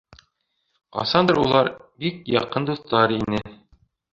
Ҡасандыр улар бик яҡын дуҫтар ине